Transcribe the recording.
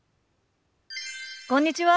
こんにちは。